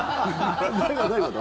どういうこと？